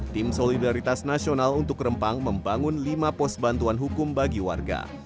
tim solidaritas nasional untuk rempang membangun lima pos bantuan hukum bagi warga